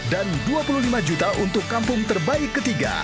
dan dua puluh lima juta untuk kampung terbaik ketiga